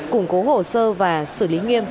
củng cố hồ sơ và xử lý nghiêm